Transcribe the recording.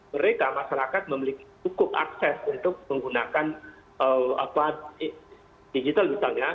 mereka masyarakat memiliki cukup akses untuk menggunakan digital misalnya